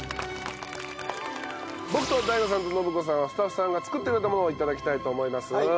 僕とＤＡＩＧＯさんと伸子さんはスタッフさんが作ってくれたものを頂きたいと思います。